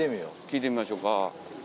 聞いてみましょうか。